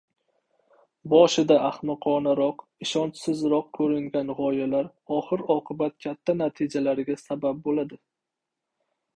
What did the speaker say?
Boshida ahmoqonaroq, ishonchsizroq koʻringan gʻoyalar oxir-oqibat katta natijalarga sabab boʻladi.